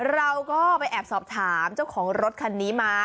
เราก็ไปแอบสอบถามเจ้าของรถคันนี้มา